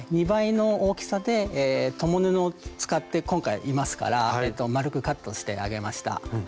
２倍の大きさで共布を今回使っていますから丸くカットしてあげました。